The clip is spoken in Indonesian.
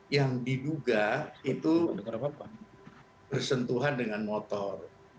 yang diduga itu bersentuhan dengan motor